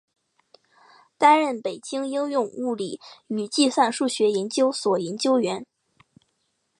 担任北京应用物理与计算数学研究所研究员。